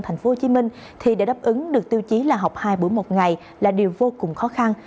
thành phố hồ chí minh thì để đáp ứng được tiêu chí là học hai buổi một ngày là điều vô cùng khó khăn